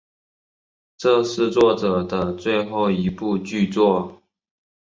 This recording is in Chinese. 这是作者的最后一部剧作。